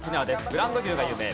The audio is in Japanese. ブランド牛が有名。